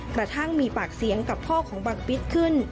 กระทั่งมีปากเสียงกับพ่อของบังฟิศขึ้น